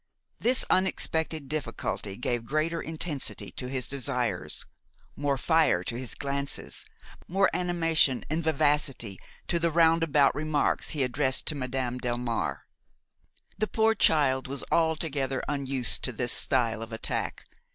This unexpected difficulty gave greater intensity to his desires, more fire to his glances, more animation and vivacity to the roundabout remarks he addressed to Madame Delmare. The poor child was altogether unused to this style of attack.